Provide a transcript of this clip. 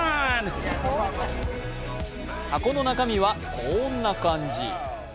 箱の中身はこんな感じ。